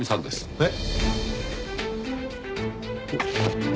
えっ？